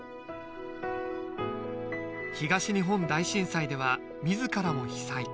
東日本大震災では自らも被災。